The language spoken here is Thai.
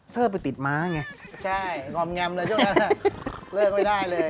เซอร์ไปติดม้าไง